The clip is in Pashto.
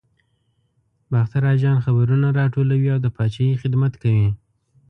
باختر اجان خبرونه راټولوي او د پاچاهۍ خدمت کوي.